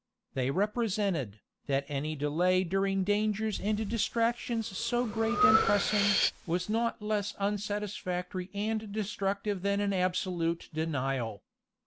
They represented, that any delay during dangers and distractions so great and pressing, was not less unsatisfactory and destructive than an absolute denial.